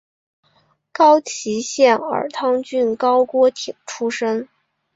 宫崎县儿汤郡高锅町出身。